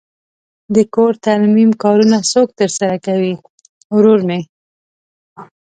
د کور ترمیم کارونه څوک ترسره کوی؟ ورور می